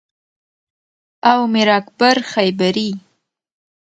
او میر اکبر خیبری